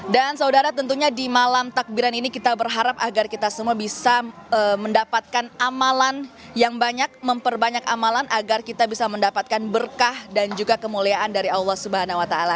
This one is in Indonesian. dan saudara tentunya di malam takbiran ini kita berharap agar kita semua bisa mendapatkan amalan yang banyak memperbanyak amalan agar kita bisa mendapatkan berkah dan juga kemuliaan dari allah swt